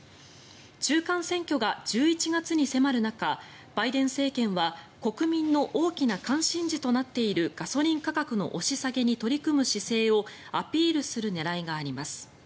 中間選挙が１１月に迫る中バイデン政権は国民の大きな関心事になっているガソリン価格の押し下げに取り組む姿勢をアピールする狙いがあります。